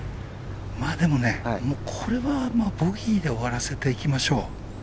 これは、ボギーで終わらせていきましょう。